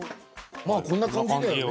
まあこんな感じだよね。